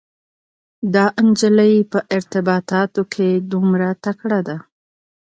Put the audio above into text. دا انجلۍ په ارتباطاتو کې دومره تکړه ده.